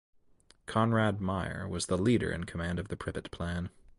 Konrad Meyer was the leader in command of the 'Pripet plan'.